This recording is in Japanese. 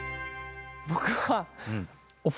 僕は。